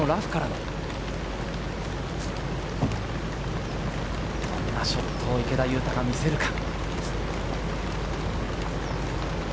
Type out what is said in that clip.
どんなショットを池田が見せるか？